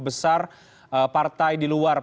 besar partai di luar